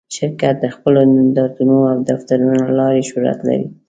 شرکت د خپلو نندارتونونو او دفترونو له لارې شهرت لري.